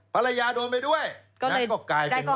ภรรยาโดนไปด้วยนั้นก็กลายเป็นว่าก็เลยได้ข้อหา